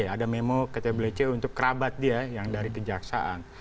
ada memo ktblc untuk kerabat dia yang dari kejaksaan